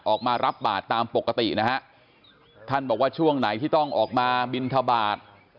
ออกมารับบาทตามปกตินะฮะท่านบอกว่าช่วงไหนที่ต้องออกมาบินทบาท